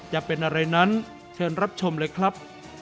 จะเป็นอะไรนั้นเชิญรับชมเลยครับ